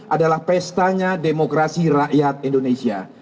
adalah pestanya demokrasi rakyat indonesia